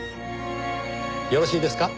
よろしいですか？